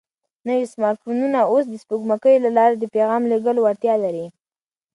نوي سمارټ فونونه اوس د سپوږمکیو له لارې د پیغام لېږلو وړتیا لري.